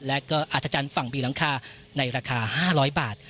และก็อัธจันทร์ฝั่งบีหลังคาในราคา๕๐๐บาท